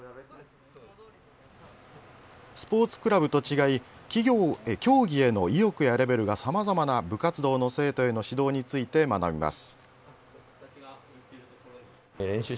スポーツクラブと違い競技への意欲やレベルがさまざまな部活動の生徒への指導について学びます。